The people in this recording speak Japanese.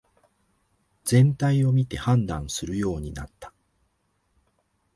全体を見て判断するようになった